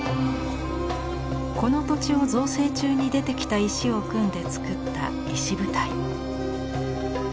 この土地を造成中に出てきた石を組んで作った石舞台。